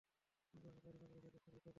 কিন্তু আমি গবেষণা করেছি, ক্যাপ্টেন হুইটেকার।